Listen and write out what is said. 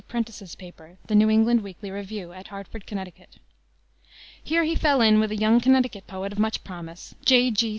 Prentice's paper, the New England Weekly Review, at Hartford, Conn. Here he fell in with a young Connecticut poet of much promise, J.